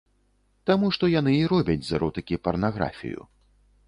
Таму што яны і робяць з эротыкі парнаграфію.